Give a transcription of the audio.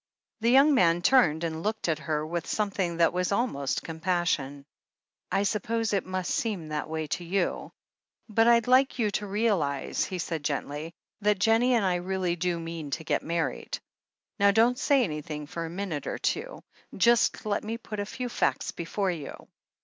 The young man turned and looked at her with some thing that was almost compassion. "I suppose it must seem that way to you. But I'd like you to realize," he said gently, "that Jennie and I really do mean to get married. Now, don't say any thing for a minute or two. Just let me put a few facts before you.